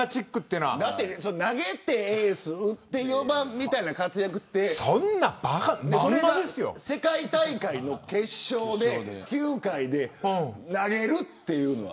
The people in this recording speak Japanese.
投げてエース、打って４番みたいな活躍ってそれが世界大会の決勝で９回で投げるというのが。